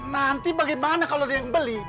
nanti bagaimana kalau ada yang beli